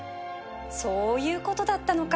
そういうことだったのか